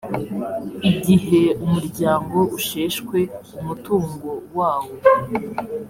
igihe umuryango usheshwe umutungo wawo